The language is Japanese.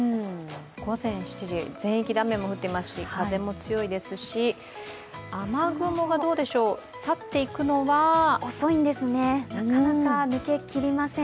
午前７時、全域で雨も降っていますし、風も強いですし雨雲が去っていくのは遅いんですね、なかなか抜けきりません。